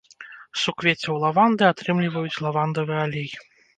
З суквеццяў лаванды атрымліваюць лавандавы алей.